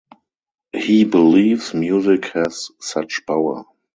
He believes music has such power.